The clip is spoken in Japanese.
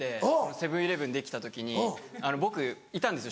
セブン−イレブンできた時に僕いたんですよ